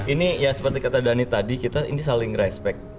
ini ya seperti kata dhani tadi kita ini saling respect